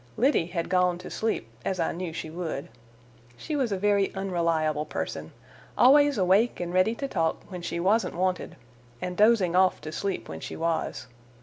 Liddy had gone to sleep, as I knew she would. She was a very unreliable person: always awake and ready to talk when she wasn't wanted and dozing off to sleep when she was.